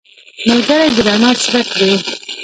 ملګری د رڼا څرک دی